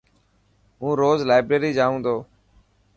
هون روز لائبريري جائون تو.